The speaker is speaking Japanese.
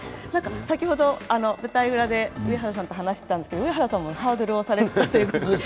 先ほど、舞台裏で上原さんと話していたんですが上原さんもハードルをされたということで。